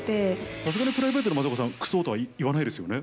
さすがにプライベートでは松岡さん、くそ！とは言わないですよね？